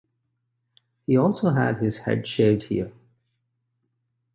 He also had his head shaved here.